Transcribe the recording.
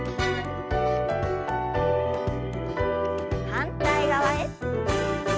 反対側へ。